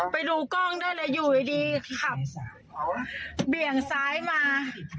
ไปดูกล้องได้เลยอยู่ดีขับเบี่ยงซ้ายมา